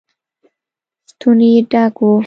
ستونی يې ډک و.